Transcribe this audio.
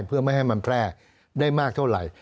เพื่อไม่ให้มันแพร่ได้มากเท่าไหร่